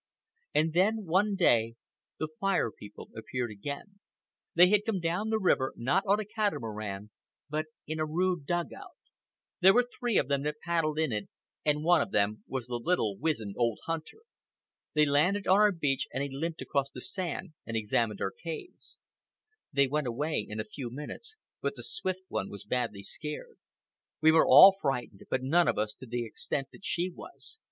And then, one day, the Fire People appeared again. They had come down the river, not on a catamaran, but in a rude dug out. There were three of them that paddled in it, and one of them was the little wizened old hunter. They landed on our beach, and he limped across the sand and examined our caves. They went away in a few minutes, but the Swift One was badly scared. We were all frightened, but none of us to the extent that she was.